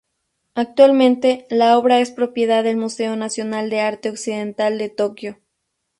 Actualmente, la obra es propiedad del Museo Nacional de Arte Occidental de Tokio.